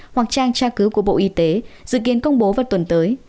hoặc trang tra cứu của bộ y tế dự kiến công bố vào tuần tới